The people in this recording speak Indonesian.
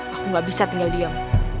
aku gak bisa tinggal diem